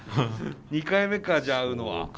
２回目かじゃあ会うのは。